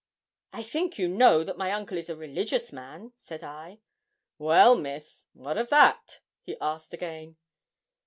'I think you know that my uncle is a religious man?' said I. 'Well, Miss, what of that?' he asked again.